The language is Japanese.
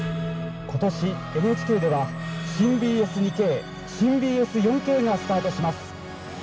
今年ＮＨＫでは、新ＢＳ２Ｋ新ＢＳ４Ｋがスタートします。